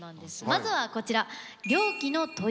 まずはこちら！